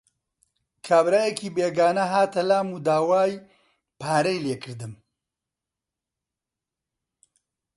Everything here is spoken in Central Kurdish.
کابرایەکی بێگانە هاتە لام و داوای پارەی لێ کردم.